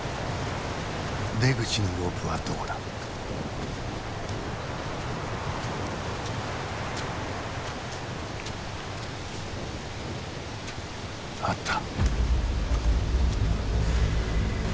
出口のロープはどこだ？あった。